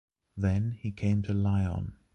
Then, he came to Lyon.